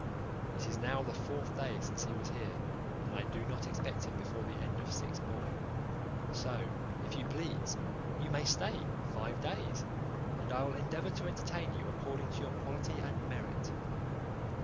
It is now the fourth day since he was here, and I do not expect him before the end of six more; so, if you please, you may stay five days, and I will endeavour to entertain you according to your quality and merit."